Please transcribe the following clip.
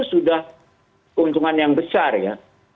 sudah keuntungan yang besar ya